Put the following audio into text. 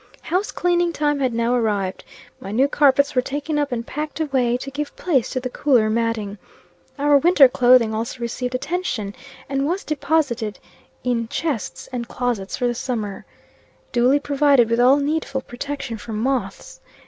House cleaning time had now arrived. My new carpets were taken up and packed away, to give place to the cooler matting. Our winter clothing also received attention, and was deposited in chests and closets for the summer, duly provided with all needful protection from moths.